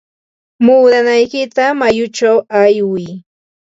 Muudanaykita mayuchaw aywiy.